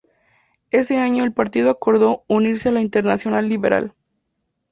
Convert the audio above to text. Ese año, el partido acordó unirse a la Internacional Liberal.